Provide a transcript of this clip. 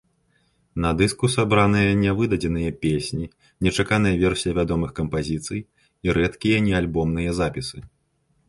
На дыску сабраныя нявыдадзеныя песні, нечаканыя версіі вядомых кампазіцый і рэдкія неальбомныя запісы.